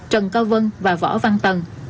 trần cao vân và võ văn tần